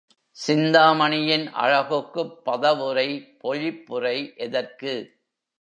சிந்தாமணியின் அழகுக்குப் பதவுரை, பொழிப்புரை எதற்கு?